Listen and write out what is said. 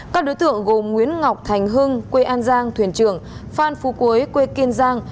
các đối tượng gồm nguyễn ngọc thành hưng quê an giang thuyền trưởng phan phú quế quê kiên giang